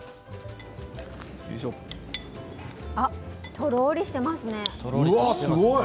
とろりとしていますね。